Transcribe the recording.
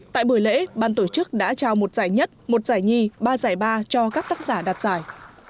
tại buổi lễ ban tổ chức đã trao một giải nhất một giải nhi ba giải ba cho các tác giả đạt giải